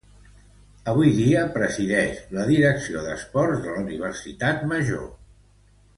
Avui dia presidix la direcció d'esports de la Universitat Major.